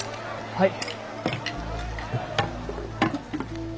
はい。